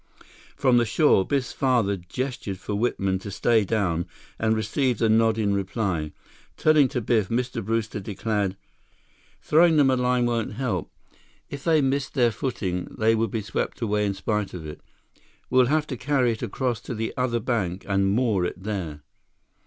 From the shore, Biff's father gestured for Whitman to stay down and received a nod in reply. Turning to Biff, Mr. Brewster declared: "Throwing them a line won't help. If they missed their footing, they would be swept away in spite of it. We'll have to carry it across to the other bank and moor it there."